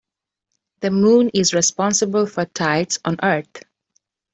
The moon is responsible for tides on earth.